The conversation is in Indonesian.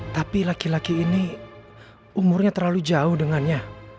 tapi laki laki ini umurnya terlalu jauh dengannya